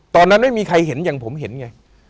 ตอนนั้นไม่มีใครเห็นอย่างผมเห็นไง